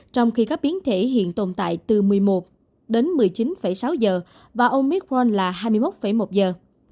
trong khi các biến thể hiện tồn tại từ một mươi một đến một mươi chín sáu giờ và omicron là hai mươi một một giờ